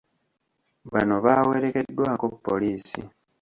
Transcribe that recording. Bano baawerekeddwako poliisi.